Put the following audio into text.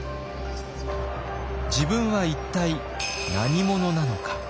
自分は一体何者なのか。